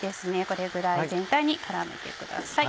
これぐらい全体に絡めてください。